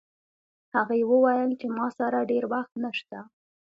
هغې وویل چې ما سره ډېر وخت نشته